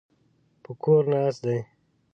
په کور ناست دی.